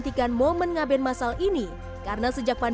ketika dikumpulkan mereka juga mengikuti upacara yang dikumpulkan